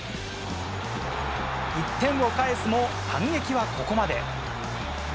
１点を返すも反撃はここまで。